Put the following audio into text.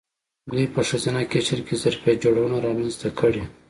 دوی په ښځینه قشر کې ظرفیت جوړونه رامنځته کړې.